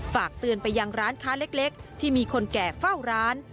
ฝากเตือนไปยังร้านค้าเล็กที่มีคนแก่เฝ้าร้าน